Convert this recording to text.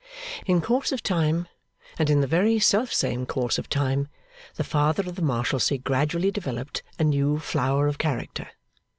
In course of time, and in the very self same course of time, the Father of the Marshalsea gradually developed a new flower of character.